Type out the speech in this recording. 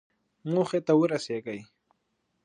موخې ته ورسېږئ